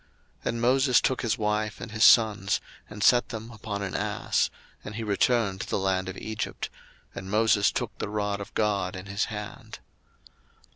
02:004:020 And Moses took his wife and his sons, and set them upon an ass, and he returned to the land of Egypt: and Moses took the rod of God in his hand.